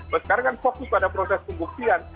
sekarang fokus pada proses pengguptian